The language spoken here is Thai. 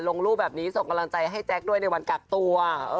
ลงรูปแบบนี้ส่งกำลังใจให้แจ๊คด้วยในวันกักตัว